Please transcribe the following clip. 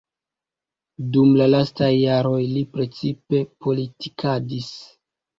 Dum la lastaj jaroj li precipe politikadis.